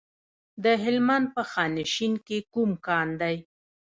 د هلمند په خانشین کې کوم کان دی؟